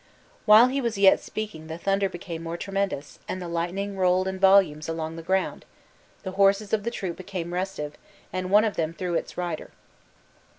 While he was yet speaking the thunder became more tremendous, and the lightning rolled in volumes along the ground, the horses of the troop became restive, and one of them threw its rider.